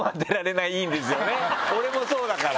俺もそうだから。